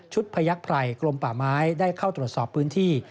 ชุดพญักภัยกลมป่าไม้ได้เข้าตรวจสอบพื้นที่